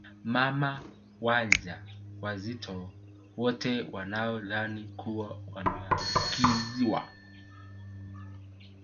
Mama waja wazito wote wanaodhani kuwa wameambukizwa